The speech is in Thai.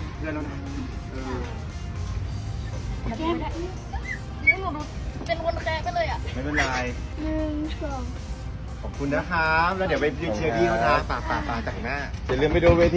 ขอรับหน้ากากต้องแต่งหน้าคี่โมงครับผม